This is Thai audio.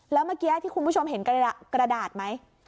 แล้วเมื่อกี้ที่คุณผู้ชมเห็นกระดาษไหม